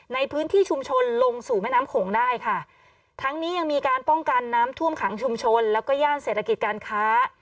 ในพื้นที่ชุมชนลงสู่แม่น้ำโขงได้ค่ะทั้งนี้ยังมีการป้องกันน้ำท่วมขังชุมชนแล้วก็ย่านเศรษฐกิจการค้า